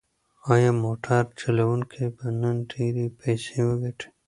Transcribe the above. ایا موټر چلونکی به نن ډېرې پیسې وګټي؟